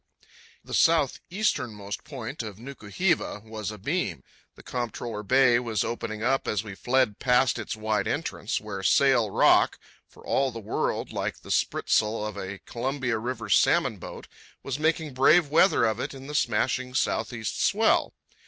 Cape Martin, the southeasternmost point of Nuku hiva, was abeam, and Comptroller Bay was opening up as we fled past its wide entrance, where Sail Rock, for all the world like the spritsail of a Columbia River salmon boat, was making brave weather of it in the smashing southeast swell.